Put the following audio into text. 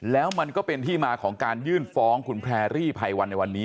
แล้วมันก็เป็นที่มาของการยื่นฟ้องคุณแพรรี่ไพวันในวันนี้